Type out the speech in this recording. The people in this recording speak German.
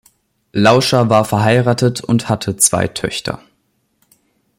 Lauscher war verheiratet und hatte zwei Töchter.